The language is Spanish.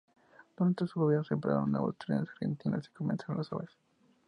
Durante su gobierno se compraron los nuevos trenes argentinos y comenzaron las obras.